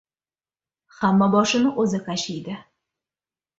• Hamma boshini o‘zi qashiydi.